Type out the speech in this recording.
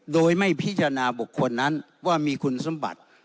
โดยไม่พิจารณาบุคคลนั้นว่ามีคุณสมบัติ